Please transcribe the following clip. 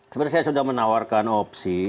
sebenarnya saya sudah menawarkan opsi